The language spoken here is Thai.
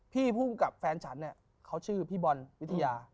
ภูมิกับแฟนฉันเนี่ยเขาชื่อพี่บอลวิทยา